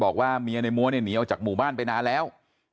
บอกว่าเมียในมัวเนี่ยหนีออกจากหมู่บ้านไปนานแล้ว